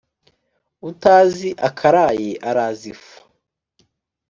Utazi akaraye araza ifu.